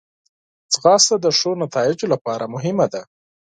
ځغاسته د ښو نتایجو لپاره مهمه ده